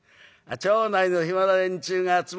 町内の暇な連中が集まってきちゃ